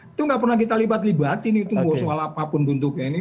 itu nggak pernah kita libat libatin itu soal apapun bentuknya ini